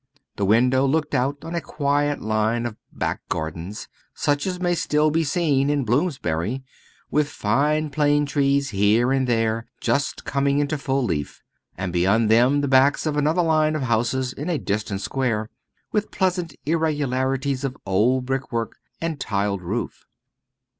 The window looked out on a quiet line of back gardens, such as may still be seen in Bloomsbury, with fine plane trees here and there just coming into full leaf; and beyond them the backs of another line of houses in a distant square, with pleasant irregularities of old brickwork and tiled roof.